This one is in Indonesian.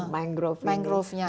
yang mangrove nya itu